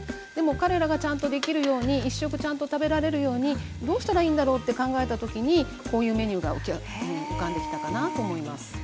でも彼らがちゃんとできるように一食ちゃんと食べられるようにどうしたらいいんだろうって考えた時にこういうメニューが浮かんできたかなと思います。